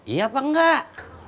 iya apa enggak